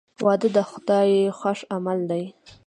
• واده د خدای خوښ عمل دی.